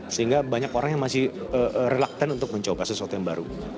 sehingga banyak orang yang masih reluctant untuk mencoba sesuatu yang baru